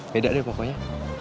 beda deh pokoknya